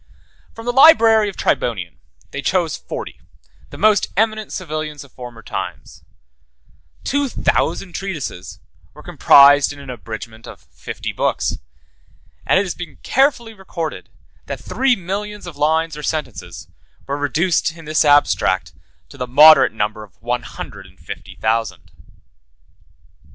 From the library of Tribonian, they chose forty, the most eminent civilians of former times: 76 two thousand treatises were comprised in an abridgment of fifty books; and it has been carefully recorded, that three millions of lines or sentences, 77 were reduced, in this abstract, to the moderate number of one hundred and fifty thousand.